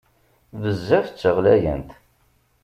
Bezzaf d taɣlayant!